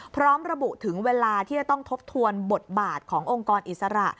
พร้อมระบุถึงเวลาที่จะต้องทบทวนบทบาทขององค์กรอิสระ